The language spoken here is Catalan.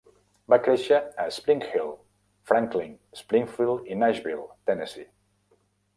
Va créixer a Spring Hill, Franklin, Springfield, i Nashville, Tennessee.